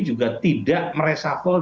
juga tidak meresafol